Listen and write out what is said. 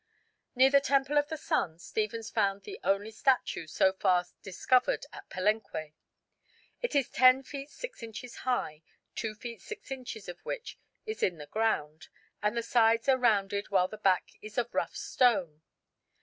Near the Temple of the Sun, Stephens found the only statue so far discovered at Palenque. It is 10 feet 6 inches high, 2 feet 6 inches of which is in the ground, and the sides are rounded while the back is of rough stone.